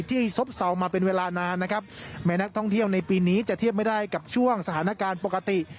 ซบเสามาเป็นเวลานานนะครับแม้นักท่องเที่ยวในปีนี้จะเทียบไม่ได้กับช่วงสถานการณ์ปกติ